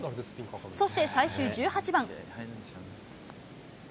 そして最終１８番。